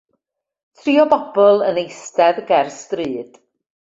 Tri o bobl yn eistedd ger stryd.